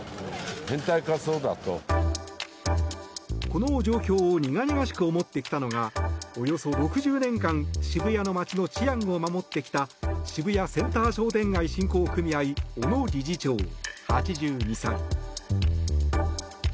この状況を苦々しく思ってきたのがおよそ６０年間渋谷の街の治安を守ってきた渋谷センター商店街振興組合小野理事長、８２歳。